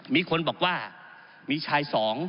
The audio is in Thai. มีคนบอกว่ามีชายสอง